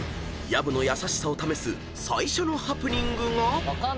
［薮の優しさを試す最初のハプニングが］